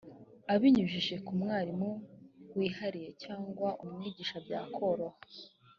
abinyujije ku mwarimu wihariye cyangwa umwigisha byakoroha